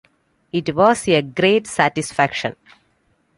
It was a great satisfaction.